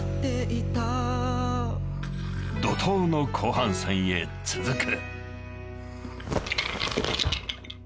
［怒濤の後半戦へ続く］